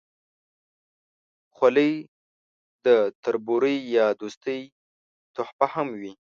خولۍ د تربورۍ یا دوستۍ تحفه هم وي.